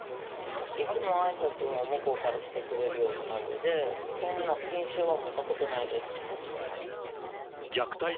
いつもあいさつも向こうからしてくれるような感じで、変な印象は持ったことないです。